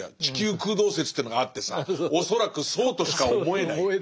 地球空洞説というのがあってさ恐らくそうとしか思えない」。